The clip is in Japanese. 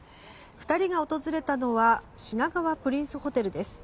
２人が訪れたのは品川プリンスホテルです。